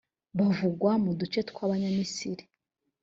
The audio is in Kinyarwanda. bavugwa mu duce twa abanyamisiri